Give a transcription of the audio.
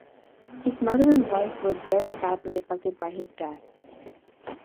His mother and wife were very badly affected by his death.